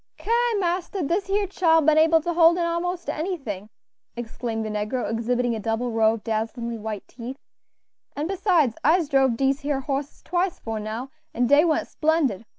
"Ki! marster, dis here chile ben able to hold in a'most anything," exclaimed the negro, exhibiting a double row of dazzlingly white teeth; "an' besides, I'se drove dese here hosses twice 'fore now, an' dey went splendid.